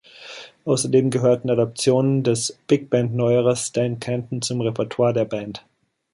Außerdem gehörten Adaptionen des Big-Band-Neuerers Stan Kenton zum Repertoire der Band.